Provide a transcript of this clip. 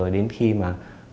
đến khi mà